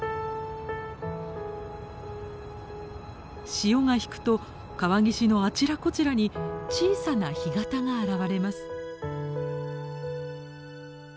潮が引くと川岸のあちらこちらに小さな干潟が現れます。